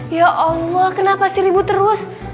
ya allah kenapa sih ribut terus